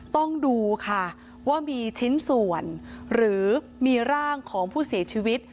ต้องดูค่ะว่ามีชิ้นส่วนหรือมีร่างของผู้เสียชีวิต